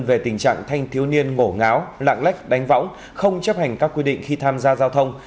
về tình trạng thanh thiếu niên ngổ ngáo lạng lách đánh võng không chấp hành các quy định khi tham gia giao thông